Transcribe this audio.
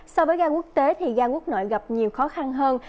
so với ga quốc tế thì ga quốc nội gặp nhiều khó khăn hơn